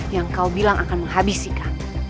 yang kau bilang akan menghabisikan